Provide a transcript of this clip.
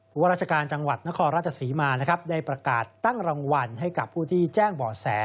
ว่าราชการจังหวัดนครราชศรีมานะครับได้ประกาศตั้งรางวัลให้กับผู้ที่แจ้งบ่อแส